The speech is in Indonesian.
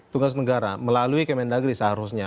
tugas negara melalui kementerian negeri seharusnya